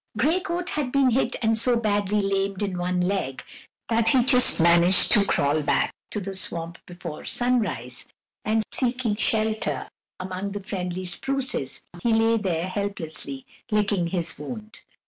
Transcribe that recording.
Gray Coat had been hit and so badly lamed in one leg that he just managed to crawl back to the swamp before sunrise, and seeking shelter among the friendly spruces he lay there helplessly licking his wound.